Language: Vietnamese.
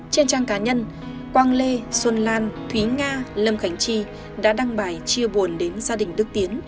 trên trang cá nhân quang lê xuân lan thúy nga lâm khánh chi đã đăng bài chia buồn đến gia đình đức tiến